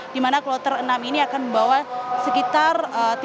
dimana kloter enam ini akan membawa sekitar